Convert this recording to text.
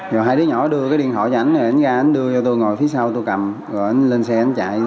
rồi hai đứa nhỏ đưa cái điện thoại cho ảnh rồi ảnh ra ảnh đưa cho tôi ngồi phía sau tôi cầm rồi ảnh lên xe ảnh chạy đi